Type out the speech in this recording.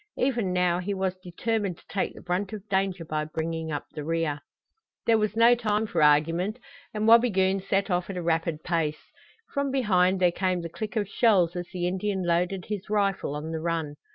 Even now he was determined to take the brunt of danger by bringing up the rear. There was no time for argument and Wabigoon set off at a rapid pace. From behind there came the click of shells as the Indian loaded his rifle on the run.